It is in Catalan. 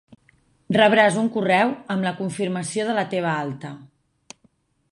Rebràs un correu amb la confirmació de la teva alta.